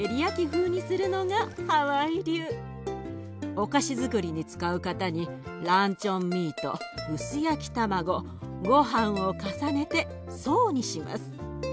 お菓子づくりに使う型にランチョンミート薄焼き卵ごはんを重ねて層にします。